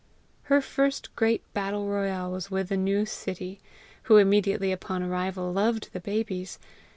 Her first great battle royal was with the new Sittie,[B] who immediately upon arrival loved the babies.